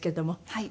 はい。